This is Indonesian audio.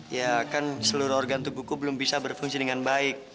ya kan seluruh organ tubuhku belum bisa berfungsi dengan baik